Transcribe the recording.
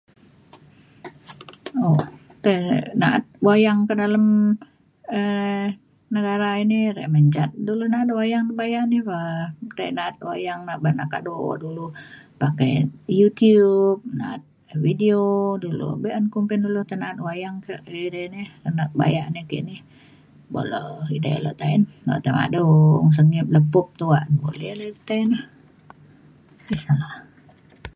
tei na'at wayang kak dalem um negara ini re ban ca dulu na'at wayang bayak ni pa. tei na'at wayang na ban na kado dulu pakai YouTube na'at video dulu be'un kumbin dulu tai na'at wayang kak edei ni [unintelligible] ke nak bayak nakini buk le edei le ta'en. na'at [unintelligible] madung mesan yak laptop tuak boleh la tei na